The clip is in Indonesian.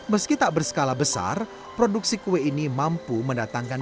meski tak berskala besar produksi kue ini mampu mendatangkan